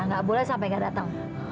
nggak boleh sampai nggak datang